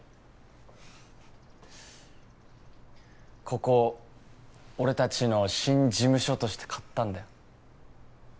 ここ俺達の新事務所として買ったんだよ